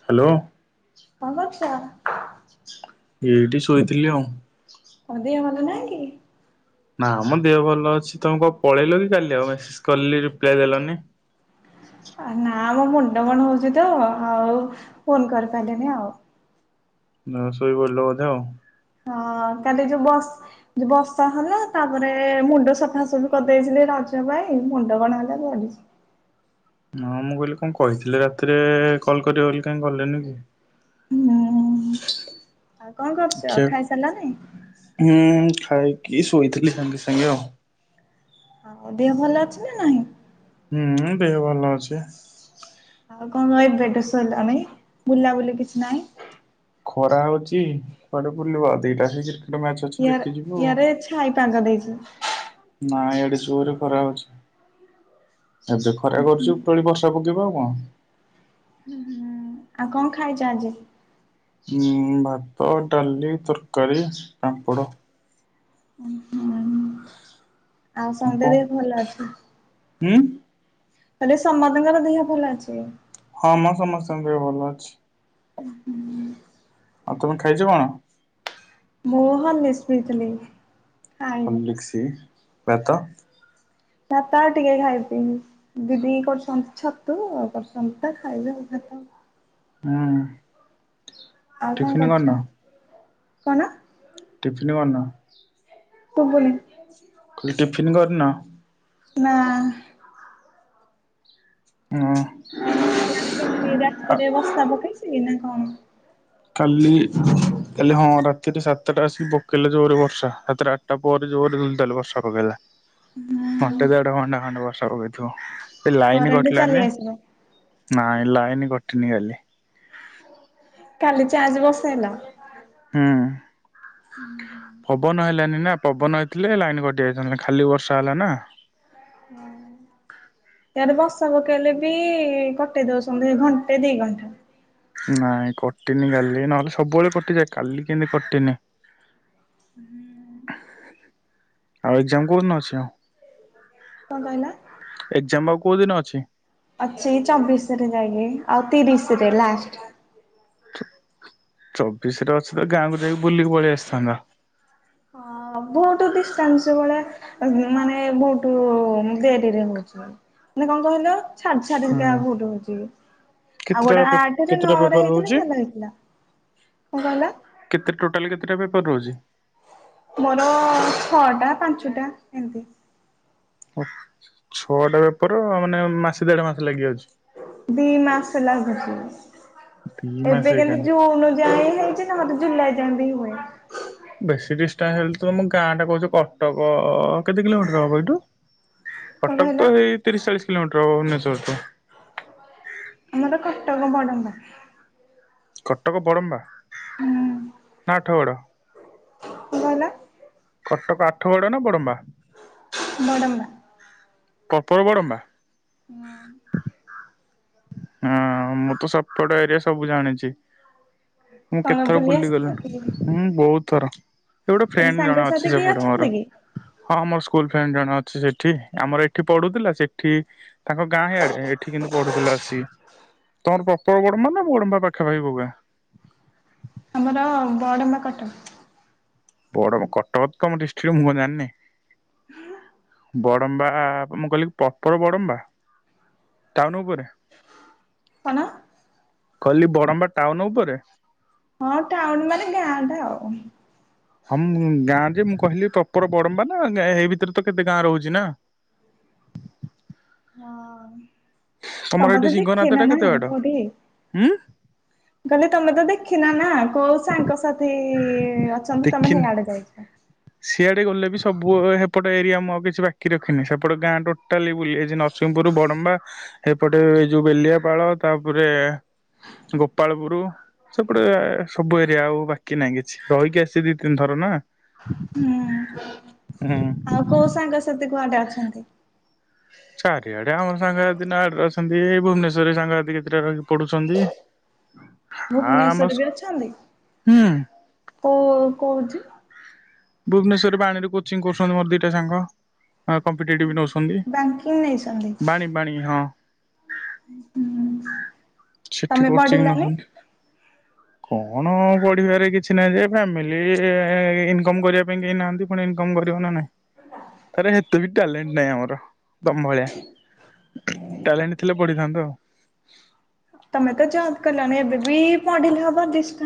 Hello କଣ କରୁଛ? ଏଇଠି ଶୋଇଥିଲି ଆଉ। ତମ ଦେହ ଭଲ ନାହିଁ କି, ନା ମୋ ଦେହ ଭଲ ଅଛି ତମେ କ ପଳେଇଲ କି କାଲି ଆଉ ମେସେଜ କଲି ରିପ୍ଲାଏ ଦେଲନି। ଅ ନା। ନା ମୋ ମୁଣ୍ଡ କଣ ହଉଛି ତ ଆଉ ଫୋନ କରିପାରିଲିନି ଆଉ। ନା ଶୋଇପଡିଲ ବୋଧେ ଆଉ। ହଁ କାଲି ଯୋଉ ବ ଯଉ ବର୍ଷା ହେଲା ତାପରେ ମୁଣ୍ଡ ସଫାସଫି କରିଦେଇଥିଲି ରଜ ପାଇଁ ମୁଣ୍ଡ କଣ ହେଲା ପଡିଚି। ହଁ ମୁଁ କହିଲି କଣ କହିଥିଲି ରାତିରେ କଲ କରିବ ବୋଲି କାହିଁ କଲେନି କି। ହୁଁ ଆଉ କଣ କରୁଛ ଦେଖିଆ ଖାଇ ସାରିଲନି। ଖାଇ କି ଶୋଇଥିଲି ସାଙ୍ଗେ ସାଙ୍ଗେ ଆଉ। ଆଉ ଦେହ ଭଲ ଅଛି ନା ନାହିଁ। ହୁଁ ଦେହ ଭଲ ଅଛି। ଆଉ କଣ ଏବେଠୁ ଶୋଇଲଣି ହେଲାଣି ବୁଲାବୁଲି କିଛି ନାହିଁ। ଖରା ହଉଛି କୁଆଡେ ବୁଲିବ ଆଉ ଦିଟା ହେଇ ୟାର ଇୟାରେ ଛାଇପାଗ ଦେଇଛି। ନାଇଁ ଇଆଡେ ଜୋରେ ଖରା ହଉଛି। ଏବେ ଖରା କରୁଛିୁ ପୁଣି ବର୍ଷା ପକ ଯିବା କୁହ। ହୁଁ ହୁଁ। ଆଉ କଣ ଖାଇଛ ଆଜି। ଉ ଭାତ ଡାଲି ତରକାରୀ ପାମ୍ପୋଡ଼। ହୁଁ। ହୁଁ ଆଉ ସନ୍ଧ୍ୟା କଣ ଟେ ଭଲ ଅଛି। ହୁଁ। ହେଲେ ସମସ୍ତ ଦେହ ଭଲ ଅଛି। କାମ ସମସ୍ତଙ୍କ ଭଲ ଅଛି। [unintelligible] ଆଉ ତମେ ଖାଇଛ କଣ। ମୁ ହଲିସ୍କ ପି ଥିଲି। ହଲିସ୍କ। ଭାତ। ନା ତା ଟିକେ ଖାଇବି ଦିଦି କରୁଛନ୍ତି ଛତୁ ଆଉ କରୁଛନ୍ତି ତା ଖାଇବେ ଭାତ। ହଁ। ଆଉ କଣ କରୁଛ। କନ। ଟିଫିନ କରନା। ଶୁଭୁନି। କହିଲି ଟିଫିନ କରନ। ନା। ହଁ। ସିଆରେ କେମିତି ରାତିରେ ବସା ପକେଇ ଛିନା। ହଁ। କାଲି କାଲି ହଁ ରାତିରେ ସାତଟା ଆସିକି ପକେଇଲା ଜୋରରେ ବର୍ଷା ରାତିରେ ଆଠଟା ପରେ ଜୋରେ। ବର୍ଷା ପକେଇଲା ହୁଁ ଘଣ୍ଟେ ଦେଢଘଣ୍ଟା ଖଣ୍ଡେ ବର୍ଷା ପକେଇଥିବ ସେ ଲାଇନ କରେଣ୍ଟ କଟିଲା ଚାଲି ନି ଆସିବ। ନାଁ ଲାଇନି କଟିନି କାଲି। କାଲି ଚାର୍ଜ ବସେଇଲ। ହୁଁ। [unintelligible] ପବନ ହେଲାନି ନା ପବନ ହେଇଥିଲେ ଲାଇନ କଟି ଯାଇଥାନ୍ତା ଖାଲି ବର୍ଷା ହେଲା ନା। ତାର ବର୍ଷା ପକେଇଲେ ବି କଟେଇ ଦଉଛନ୍ତି ଘଣ୍ଟେ ଦି ଘଣ୍ଟା। ନାଇଁ କଟିନି କାଲି ନହେଲେ ସବୁବେଳେ କଟିଯାଏ କାଲି କେମିତି କଟିନି। [unintelligible] ଆଉ ଏକ୍ଜାମ କୋଉନ ଅଛି ଆଉ। କଣ କହିଲ? ଏକ୍ଜାମ ଆଉ କୋଉ ଦିନ ଅଛି। ଅଛି ଚବିଶ ରେ ଯାଇକି ଆଉ ତିରିଶରେ ଲାଷ୍ଟ। ଚବିଶରେ ଅଛି ତ ଗାଁକୁ ଯାଇକି ବୁଲିକି ପଳେଇ ଆସିଥାନ୍ତା। ହଁ ବହୁତ ଡିଷ୍ଟାନ୍ସ ଭଳିଆ ମାନେ ବହୁତ ଦେରିରେ ହଉଛି ମାନେ କଣ କହିଲ। ଛାଡ ଛାଡି କା ହୁଁ। ବହୁତ ହୋଉଛି । ଆଉ କେତେଟା ଗୋଟେ ପେ ଆଠରେ କେତେଟା ନଅ ରେ ପେପର ହେଇଥିଲେ ରହୁଛି ଭଲ ହେଇଥିଲା । କଣ କହିଲ ପର ରହୁଯି। ମୋର ଛଅଟା ପାଞ୍ଚଟା ଏମତି । ଛଅଟା ବେପାର ମାନେ ମାସେ ଦେଢ ମାସ ଲାଗିଯାଉଛି । ଦି ମାସ ଲାଗୁଛି ଦି ମାସ ଏବେ କେନ୍ତୁ ଏକାନେ। ଜୁନ ଯାଏ ହେ ଚିଂ ତମର ଜୁଲାଇ ଯାଏଁ ବି ହୁଏ । ବେଶୀ ଡିଷ୍ଟାନ୍ସ ହେଲେ ତୁମ ଗାଁ ଟା କହୁଛ କଟକ କେତେ କିଲୋମିଟର ହବ ଏଇଠୁ । କଣ କଟକ କହିଲ ତ ହେଇ ତିରିଶ ଚାଳିଶ କିଲୋମିଟର ହବ ଭୁବନେଶ୍ୱର [unintelligible] ଆମର କଟକ ବଡମ୍ବା । କଟକ ବଡମ୍ବା ନା ଅଟଗଡ । ଭଲ। କଟକ ଆଠଗଡ ନା ବଡମ୍ବା ବଡ଼ମ୍ବା। ପ୍ରପର ବଡ଼ମ୍ବା ହୁଁ । ହାଁ ମୁଁ ତ ସେପଟ ଏରିଆ ସବୁ ଜାଣିଚି । ମୁଁ କଣ କେତେ ଥର ବୁଲି ବୁଲିଗଲିଣି ଆସିଛ କି ହୁଁ ବହୁତ ଥର । ଗୋଟେ ତମ ଫ୍ରେଣ୍ଡ ଜଣ ସାଙ୍ଗସାଥି ଅଛି କିଏ ସେପଟେ ଅଛନ୍ତି ମୋର କି? ହଁ ମୋର ସ୍କୁଲ ଫ୍ରେଣ୍ଡ ଜଣେ ଅଛ ସେ ସେଠି ଆମର ଏଠି ପଢୁଥିଲା ସେଠି ତାଙ୍କ ଗାଁ ଇଆଡେ ଏଠି କିନ୍ତୁ ପଢୁଥିଲା ଆସି ତମର ପ୍ରପର ବ ହଁ ମାନେ ବଡ଼ମ୍ବା ପାଖା ପାଖି କଉ ଗାଁ। ଆମର ବଡମ୍ବା କଟକ। ବଡମ୍ କଟକ ତ ତମ ଡ଼ିସ ଛି ମୁଁ କଣ ଜାଣିନି। ବଡମ୍ବା ମୁଁ କହିଲି ପ୍ରପର ବଡମ୍ବା ଟାଉନ ଉପରେ। କଣ? କହିଲି ବଡମ୍ବା ଟାଉନ ଉପରେ। ହଁ ଟାଉନ ମାନ ଗାଁ ଟା ଆଉ। ହଁ ମୁ ଗାଁଯେ ମୁଁ କହିଲି ପ୍ରପର ବଡମ୍ବା ନା ଏଇ ଭିତରେ ତ କେତେ ଗାଁ ରହୁଛି ନା। ହଁ ତମର ତମେ ତ ଏଇଠି ସିଂହ ଦେଖିନ ନାଦ ଟା ନା କେତେ ବାଟ? ହୁଁ ଗଲେ ତମେ ତ ଦେଖ ଦେଖି ନା ନା କୋଉ ସାଙ୍ଗ ସାଥି ଅଛନ୍ତି ତମେ ଦେଖିନି। ହିଆଡେ ଯାଇଛ। ସିଆଡେ ଗଲେ ବି ସବୁ ସେପଟ ଏରିଆ ମୁଁ ଆଉ କିଛି ବାକି ରଖିନି ।ସେପଟ ଗାଁ ଟୋଟାଲି ବୁଲି ନରସିଂହପୁର, ବଡମ୍ବା, ଏପଟେ ଏଇ ଯୋଉ ବେଲିଆପାଳ ତାପରେ ଗୋପାଳପୁର ସେପଟେ ସବୁ ଏରିଆ ଆଉ ବାକି ନାହିଁ କିଛି ରହିକି ଆସିଛି ଦି ତିନି ଥର ନା। ହୁଁ ହୁଁ। ଆଉ କୋଉ ସାଙ୍ଗ ସାଥି କୁଆଡେ ଅଛନ୍ତି? ଚାରିଆଡେ ଆମର ସାଙ୍ଗରେ ଦିନ ଆଡରେ ଅଛନ୍ତି। ଏ ଭୁବନେଶ୍ୱରରେ ସାଙ୍ଗ କେତେଟା ରହି ଆମ ଭୁବନେଶ୍ଵର ବି ଅଛନ୍ତି। ହୁଁ କଉ କଉଠି? ଭୁବନେଶ୍ଵରରେ ବାଣିରେ କୋଚିଂ କରୁଛନ୍ତି ମୋର ଦିଟା ସାଙ୍ଗ। କମ୍ପିଟିଏଟିପି ନୋଉଛନ୍ତି। ବ୍ୟାଙ୍କିଙ୍ଗ ନେଇଛନ୍ତି। ବାଣୀ ବାଣୀ ହଁ। ସେଠି ତମେ କୋଚିଂ ପଢିଲନି? ନଉଛନ୍ତି। କଣ ପଢିବାରେ କିଛି ନାହିଁ ଯେ ଫ୍ୟାମିଲି ଇନକ କମ୍ କରିବା ପାଇଁ କେହି ନାହାନ୍ତି। ପୁଣି ଇନକମ୍ କରିବ ନା ନାହିଁ। ତରେ ହେତେ ବି ଟ୍ୟାଲେଣ୍ଟ ନାହିଁ ଆମର। ଦମ ଭଳିଆ ଟ୍ୟାଲେଣ୍ଟ ଥିଲେ ପଢିଥାନ୍ତୁ ଆଉ। ତମେ ତ ଯବ କଲନି ଏବେ ବି ପଢିଲେ ହବ। ଦିଶ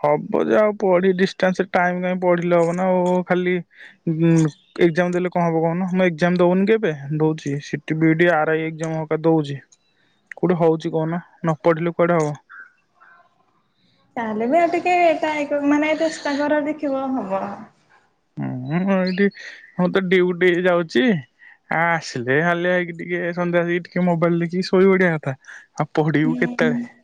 ହବ ଯାହ ପଢି ଡିଷ୍ଟାନ୍ସ ଟାଇମ୍ କାଇଁ ପଢିଲେ ହବ ନା ଆଉ। ଖାଲି ଏଗଜାମ୍ ଦେଲେ କଣ ହବ କହୁନ। ମୁଁ ଏଗଜାମ୍ ଦଉନି କି ଏବେ ଦଉଛି। CT, BD, R I exam ହେଇକା ଦଉଛି। କୋଉଠି ହୋଉଛି କହୁନା ନ ପଢିଲେ କୁଆଡେ ହବ। ତାହେଲେ ବି ଆଉ ଟିକେ ଟାଏ ମାନେ ଚେଷ୍ଟା କର ଦେଖିବ ହବ। ହୁଁ ଏଇଠି ମୁଁ ତ ଡିଉଟି ଯାଉଛି। ଆ ଆସିଲେ ହେଲେ ହେଇକି ଟିକେ ସନ୍ଧ୍ୟା ଦେଇକି ଟିକେ ମୋବାଇଲ ଦେଖିକି ଶୋଇ ପଡିବା କଥା। ଆଉ ପଢିବୁ ହୁଁ ହୁଁ କେତେବେଳେ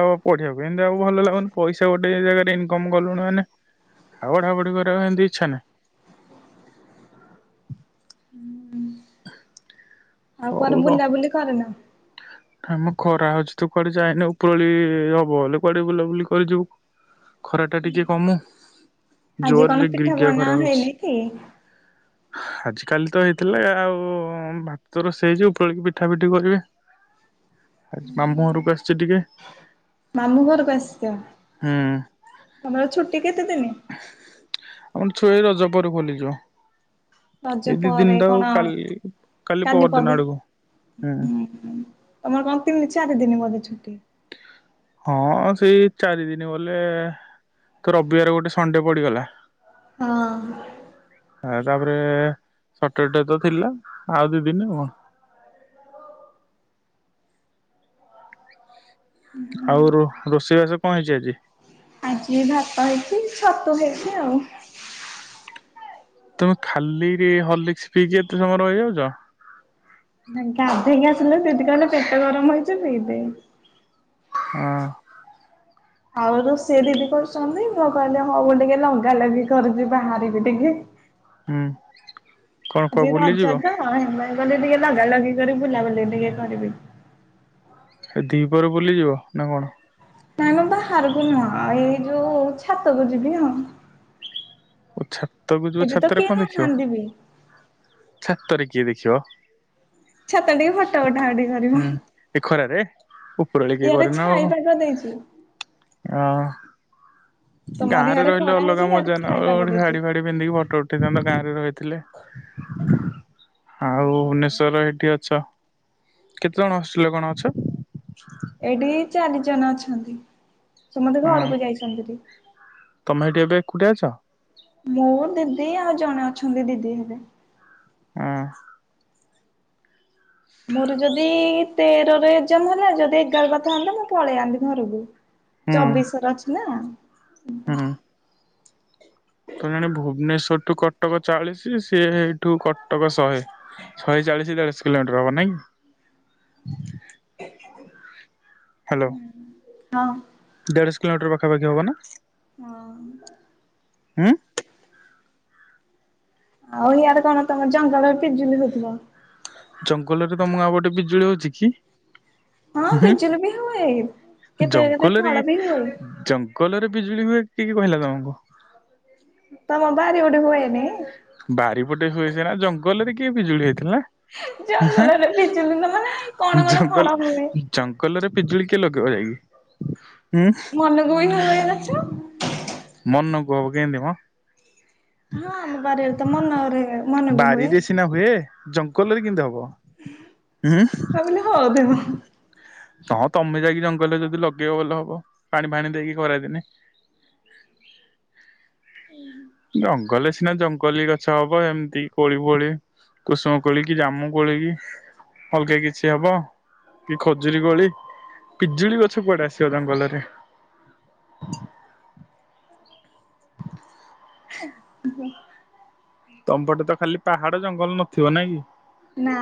ଆଉ ପଢିବାକୁ ଏମିତି ଆଉ ଭଲ ଲାଗୁନି ।ପଇସା ଗୋଟେ ଜାଗାରେ ଇନକମ୍ କଲୁଣି ମାନେ ଆଉ ପଢାପଢି କରିବାକୁ ଏମତି ଇଚ୍ଛା ନାହିଁ। [inaudible] ଆଉ କୁଆରେ ର ବୁଲାବୁଲି କରିନ? ଆମ ଖରା ହଉଛି ତୁ କୁଆଡେ ଯାଇନି। ଉପରଳି ହବ ହେଲେ କୁଆଡେ ବୁଲାବୁଲି କରିିଯିବୁ। ଖରା ଟା ଟିକେ କମୁ। ଆଜି କଣ ଜୋରରେ ପିଠା ଗିରିଗିଆ ବନା ହେଇନି କି? ଆଜ କାଲି ତ ହେଇଥିଲା ଆଉ ଭାତ ର ସେଇ ଯୋଉ ଉପରଇଳିକି ପିଠା ପିଠି କରିବେ। ଆ ମାମୁଁ ଘରକୁ ଆ ସେ ଟିକେ ମାମୁଁ ଘରକୁ ଆସିଛ ହୁଁ। ତମର ଛୁଟି କେତେ ଦିନ। ଆମର ଛୁଆ ରଜ ପରେ ଖୋଲିଯିବ। ରଜ ଏଇ ଦି ପରେ ଦିନଟା ଆଉ କଣ କାଲି କାଲି ପରଦିନ ପଦଁ ଆଡକୁ ହୁଁ ତମର କଣ ତିନି ଚାରି ଦିନ ବଧେଛୁ। ହଁ ସେଇ ଚାରି ଦିନ ଗଲେ ତ ରବିବାରେ ଗୋଟେ ସଣ୍ଡେ ପଡିଗଲା। ହଁ। ଆ ତାପରେ ସଟର ଡେ ତ ଥିଲା ଆଉ ଦି ଦିନ ଆଉ କଣ। ଆଉ ରୋଷେଇ ବାସ କଣ ହେଇଛି ଆଜି। ଆଜି ଭାତ ହେଇଛି ଛତୁ ହେଇଛି ଆଉ। ତମେ ଖାଲି ହଲିକ୍ସ ପିଇକି ଏତେ ସମୟ ରହିଯାଉଛ। ନାଇ ଗାଧେଇକି ଆସିଲେ ଦିଦି କହିଲେ ପେଟ ଗରମ ହେଇଛି ପି ଦେ। ହ। ଆଉ ରୋଷେଇ ଦିଦି କରୁଛନ୍ତି। ମୁଁ କହିଲେ ହୋଉ ଟିକେ ଲଗା ଲଗି କରଛି ବାହାରିକି ଟିକେ। ହୁଁ। କଣ କୁଆ ଆଜି ରଜ ବୁଲିଯିବ ତ ହେଲାଇ ମାନେ ଟିକେ ଲଗା ଲଗି କରି ବୁଲାବୁଲି ଟିକେ କରିବି ଏ ଦିହିପରେ ବୁଲିଯିବ ନ କଣ ନାଇଁ ମ ବାହାରକୁ ନୁହଁ ଏଇ ଯୋଉ ଛାତକୁ ଯିବି ଆଉ ଓ ଛାତକୁ ଯିବ ଏଠି ତ ଛାତରେ କେହି କଣ ଦେଖିବ ନାହାନ୍ତି ବି ଛାତରେ ଯିଏ ଦେଖିବ ଛାତରେ ଟିକେ ଫଟା ଉଠା ଉଠି କରିବି ହୁଁ ଏ ଖରାରେ ଉପରଓଳି କିଏ ଇଆଡେ କରେନା ଆଉ ଛାଇ ପାଗ ଦେଇଛି। ଗାଁ ତମର ରେ ଇଆଡେ ରହିଲେ ଖରା ଅଲଗା ହେଇଛି ଇଆଡେ ମଜା ନା ଛାଇ ପାଗ ଓଡ୍ ଦେଇଛି। ଶାଢି ଫାଡ଼ି ପିନ୍ଧି ଫୋ ଉଠେଇଥାନ୍ତ ଗାଁ ରେ ରହିଥିଲେ ଆଉ ଭୁବନେଶ୍ୱରର ଏଠି ଅଛ କେତେ ଜଣ ଆସିୁଥିଲେ କଣ ଅଛ। ଏଇଠି ଚାରି ଜଣ ଅଛନ୍ତି। ସମସ୍ତେ ହଁ ଘରକୁ ଯାଇଛନ୍ତି ରି କୋଉଠି ଅଛ। ମୋ ଦିଦି ଆଉ ଜଣେ ଅଛନ୍ତି ଦିଦି ହେବେ। ହଁ। ମୋର ଯଦି। ତେରରେ ଏକ୍ଜାମ ହେଲା ଯଦି ଏଗାର କରିଥାନ୍ତା ମୁଁ ପଳେଇଆନ୍ତି ଘରୁକୁ ହୁଁ ଚବିଶର ଅଛି ନା ହୁଁ [inaudible] ତ ଜଣେ ଭୁବନେଶ୍ୱରଠୁ କଟକ ଚାଳିଶୀ। ସିଏ ହେଇଠୁ କଟକ ଶହେ ଶହେ ଚାଳିଶ ଦେଢ଼ଶ କିଲୋମିଟର ହବ ନା କି? ହାଲୋ। ହଁ। ଦେଢଶ କିଲୋମିଟର ପାଖାପାଖି ହବ ନା? ହଁଅ। ଉୁ ଆଉ ହିଆଡେ କଣ ତମ ଜଙ୍ଗଲରେ ପିଜୁଲି ହଉଥିବ। ଜଙ୍ଗଲରେ ତମ ଗାଁ ପଟେ ବିଜୁଳି ହଉଚି କି? ହଁ ପିଜୁଳି ବି ହୁଏ ଉହୁଁ କେତେ କେତେ ଜଙ୍ଗଲରେ ଫଳ ବି ହୁଏ। ଜଙ୍ଗଲରେ ବିଜୁଳି ହୁଏ। କି କି କହିଲା ତମକୁ। ତମ ବାରି ପଟେ ହୁଏନି। ବାରିପଟେ ହୁଏ ସିନା ଜଙ୍ଗଲରେ କିଏ ପିଜୁଳି ହେ ଥିଲା ଉହୁଁ ଜଙ୍ଗଲରେ ପିଜୁଳି ନା ମାନେ କଣ ହ କଣ ଫଳ ହୁଏ। ଜଙ୍ଗଲ ଜଙ୍ଗଲରେ ପିଜୁଳି କିଏ ଲଗ କୁଇଁ [unintelligible] ମନକୁ ହିଁ ହୁଏ ଗଛ। ମନକୁ ହବ କେନ୍ତି ମ। ହଁ ଆମ ବାରି ଆଡ଼େ ତ ମନରେ ମନକୁ ହୁଏ। ବାରିରେ ସିନା ହୁଏ ଜଙ୍ଗଲରେ କେମତି ହବ? ହୁଁ ତା ବୋଲି ହଉଥିବ ହଁ ତମେ ଯାଇକି ଜଙ୍ଗଲରେ ଯଦି ଲଗେଇବ ଭଲ ହବ। ପାଣି ଫାଣି ଦେଇକି ଖରା ଦିନେ। ଜଙ୍ଗଲରେ ନା ଜଙ୍ଗଲି ଗଛ ହବ ଏମିତି କୋଳି ଫୋଳି କୁଷୁମ କୋଳି କି ଜାମୁ କୋଳି କି ଅଲଗା କିଛି ହବ କି ଖ ଖଜୁରି କୋଳି ପିଜୁଳି ଗଛ କୁଆଡେ ଆସିବ ଜଙ୍ଗଲରେ ଜ୍ ହୁଁ [inaudible] ତମ ପଟେ ତ ଖାଲି ପାହାଡ ଜଙ୍ଗଲ ନଥିବ ନାଇଁ କି? ନା।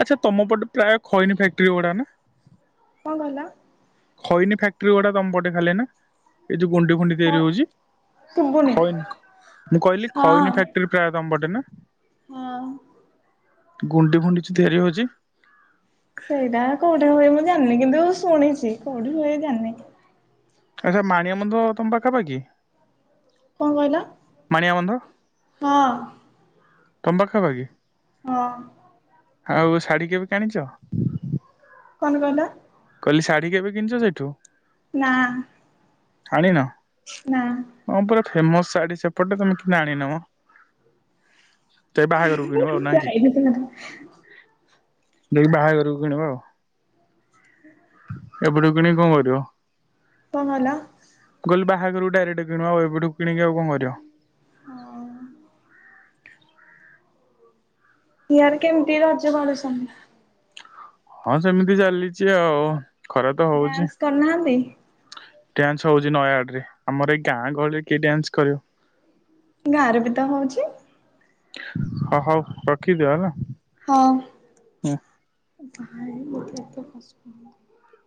ଆଚ୍ଛା ତମ ପଟେ ପ୍ରାୟ ଖଇନି ଫ୍ୟାକ୍ଟରି ଗୁଡାକ ନା କଣ କହିଲ? ଖଇନି ଫ୍ୟାକ୍ଟରି ଗୁଡା ତମ ପଟେ ଖାଲି ନା ଏ ଯୁ ଗୁଣ୍ଡି ଫୁଣ୍ଡି ହ ତିଆରି ହଉଛି ଶୁଭୁନି ଖଇନି ମୁଁ କହିଲି ହଁ। ଖଇନି ଫ୍ୟା ତମ ପଟେ ନା ହଁ। ଗୁଣ୍ଡି ଫୁଣ୍ଡି ଛି ତିଆରି ହଉଛି। ସେଇଟା କୋଉଠି ହୁଏ ମୁଁ ଜା ନି କିନ୍ତୁ ଶୁଣିଛି କୋଉଠି ହୁଏ ଜାଣିନି। ଆଚ୍ଛା ମାଣିଆବନ୍ଧ ତମ ପାଖା ପାଖି କଣ କହିଲ? ମାଣିଆ ବନ୍ଧ। ହଁ ତମ ପାଖା ପାଖି ହଁ ଆଉ ଶାଢୀ କେବେ କିଣିଛ? କଣ କହିଲ? କହିଲି ଶାଢ଼ୀ କେବେ କିଣିଛ ସେଠୁ? ନା। ଆଣିନ। ନା। ହଁ ପରା ଫେମସ ଶାଢୀ ସେପଟେ ତମେ କିଁ ଆଣିନ ମ ସେ ବାହାଘରକୁ କିିଣିବ ଆଉ ନା କି ଯାଇଥିଲି [inaudible] ଯାଇ ବାହାଘରକୁ କିଣିବ ଆଉ। ଏବେଠୁ କିଣି କଣ କରିବ? ପହଲା କହିଲି ବାହାଘରକୁ ଡାଇରେକ୍ଟ କିଣିବ ଆଉ ଏବେଠୁ କିଣିକି ଆଉ କଣ କରିବ? ହଁ ଇଆରେ କେମିତି ରଜ ପାଳୁଚନ୍ତି? ହଁ ସେମିତି ଚାଲିଛି ଆଉ ଖରା ତ ହଉଛି ଡ୍ୟାନ୍ସ କରିନାହାନ୍ତି? ଡ୍ୟାନ୍ସ ହଉଛି ନୟାଗଡ଼ରେ। ଆମର ଏଇ ଗାଁ ଗହଳିରେ କିଏ ଡ୍ୟାନ୍ସ କରିବ? ଗାଁରେ ବି ତ ହଉଛି ହ ହଉ ରଖିଦିଅ ହେଲା। ହଁ। ତାହେ ମୋତେ ଏତେ କଷ୍ଟ ହଉଚି।